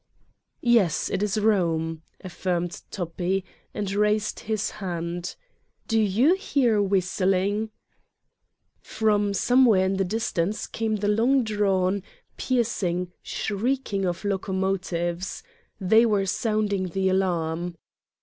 "Yes, it is Rome," affirmed Toppi, and raised his hand: "do you hear whistling ?" From somewhere in the distance came the long drawn, piercing, shrieking of locomotives. They were sounding the alarm.